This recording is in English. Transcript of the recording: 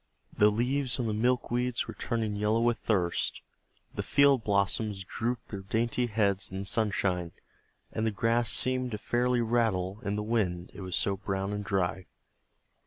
The leaves on the milkweeds were turning yellow with thirst, the field blossoms drooped their dainty heads in the sunshine, and the grass seemed to fairly rattle in the wind, it was so brown and dry.